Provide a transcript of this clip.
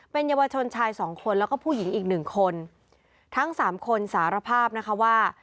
เป็นเยาวชนชายสองคนแล้วก็ผู้หญิงอีกหนึ่งคนทั้งสามคนสารภาพนะคะว่า